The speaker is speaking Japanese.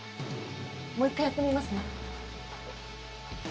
もう一回やってみますね。